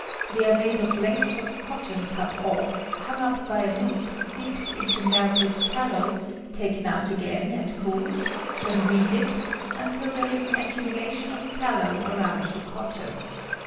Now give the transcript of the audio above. They are made of lengths of cotton cut off, hung up by a loop, dipped into melted tallow, taken out again and cooled, then redipped, until there is an accumulation of tallow roimd the cotton.